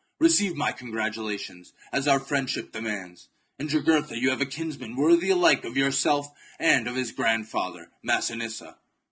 Receive my congratula tions, as our friendship demands. In Jugurtha you have a kinsman worthy alike of yourself and of his grandfather Massinissa."